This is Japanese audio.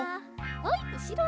はいうしろ。